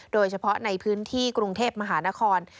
โดยเฉพาะในพื้นที่กรุงเทพมหานคร